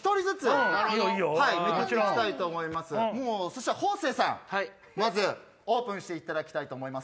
そしたら方正さんまずオープンしていただきます。